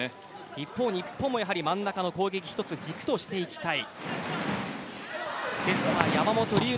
一方、日本も真ん中の攻撃を軸としていきたい。